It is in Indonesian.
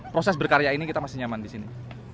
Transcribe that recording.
proses berkarya ini kita masih nyaman di sini